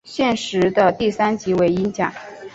现时的第三级为英甲。